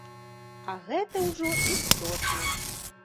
А гэта ўжо істотна.